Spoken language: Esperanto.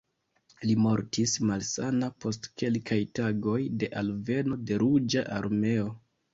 Li mortis malsana post kelkaj tagoj de alveno de Ruĝa Armeo.